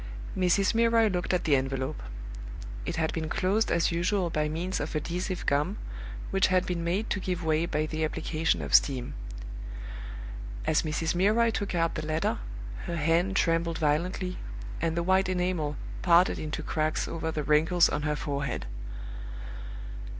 Mrs. Milroy looked at the envelope. It had been closed as usual by means of adhesive gum, which had been made to give way by the application of steam. As Mrs. Milroy took out the letter, her hand trembled violently, and the white enamel parted into cracks over the wrinkles on her forehead.